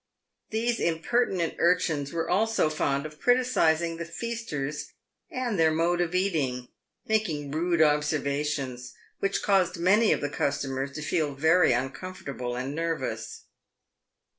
These impertinent urchins were also fond of criticising the feasters and their mode of eating, making rude observations which caused many of the cus tomers to feel very uncomfortable and nervous.